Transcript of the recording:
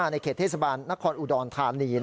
ในเขตเทศบาลนครอุดรธานี